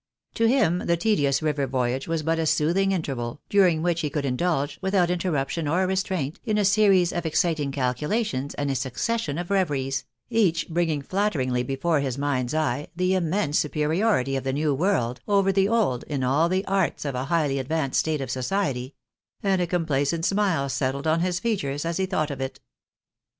To him the tedious river voyage was but a soothing inter val, during which he could indulge, without interruption or restraint, in a series of exciting calculations and a succession of reveries, each bringing flatteringly before his mind's eye the immense superiority of the new world over the old in all the arts of a highly advanced state of society, and a complacent smile settled on his features as he thought of it.